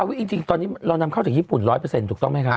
จริงตอนนี้เรานำเข้าจากญี่ปุ่น๑๐๐ถูกต้องไหมคะ